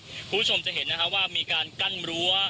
คุณผู้ชมจะเห็นนะคะว่ามีการกั้นรั้ว